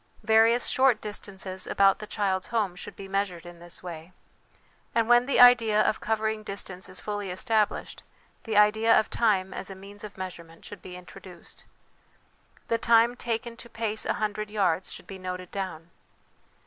Various short distances about the child's home should be measured in this way ; and when the idea of covering distance is fully established, the idea of time as a means of measurement should be intro duced. The time taken to pace a hundred yards should be noted down.